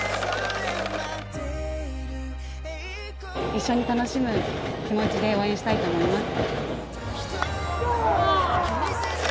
一緒に楽しむ気持ちで応援したいと思います。